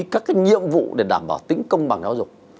các cái nhiệm vụ để đảm bảo tính công bằng giáo dục